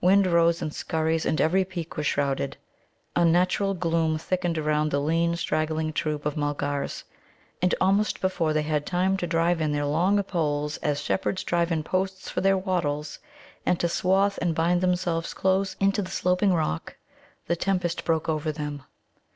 Wind rose in scurries, and every peak was shrouded. Unnatural gloom thickened around the lean, straggling troop of Mulgars. And almost before they had time to drive in their long poles, as shepherds drive in posts for their wattles, and to swathe and bind themselves close into the sloping rock, the tempest broke over them.